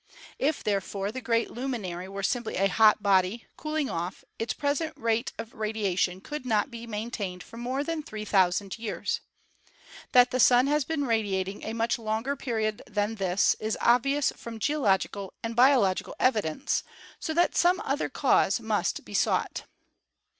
If, therefore, the great luminary were simply a hot body, cooling off, its present rate of radiation could not be maintained for more than 3,000 years. That the Sun has been radiating a much longer period than this is obvious from geological and biological evidence, so that some other cause must be sought.